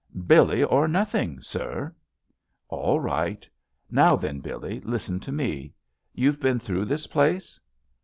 "Billee, or nothing, sir!" "All right. Now then, Billee, listen to me. You've been through this place